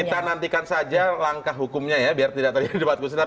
kita nantikan saja langkah hukumnya ya biar tidak terjadi debat khusus